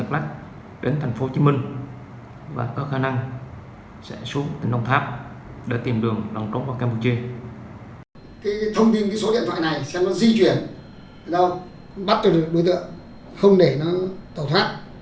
bắt được đối tượng không để nó tẩu thoát